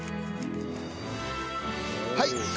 はい。